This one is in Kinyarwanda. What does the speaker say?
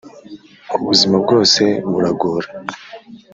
ubuzima bwose buragora